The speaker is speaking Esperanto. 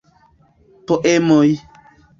Poemoj.